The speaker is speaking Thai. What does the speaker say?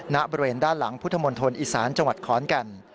ณบริเวณด้านหลังพุทธมณฑลอีสานจังหวัดขอนแก่น